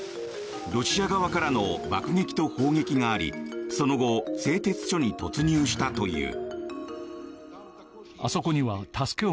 ロシア側からの爆撃と砲撃がありその後製鉄所に突入したという。